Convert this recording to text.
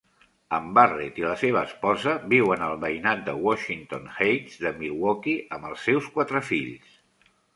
En Barrett i la seva esposa viuen al veïnat de Washington Heights de Milwaukee amb els seus quatre fills.